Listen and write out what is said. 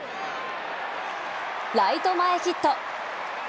ライト前ヒット！